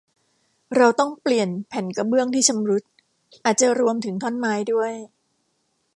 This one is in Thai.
เราต้องเปลี่ยนแผ่นกระเบื้องที่ชำรุด อาจจะรวมถึงท่อนไม้ด้วย